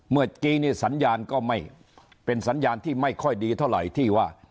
เมื่อกี้นี่สัญญาณก็ไม่เป็นสัญญาณที่ไม่ค่อยดีเท่าไหร่ที่ว่า